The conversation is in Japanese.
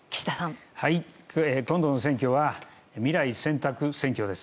今度の選挙は未来選択選挙です。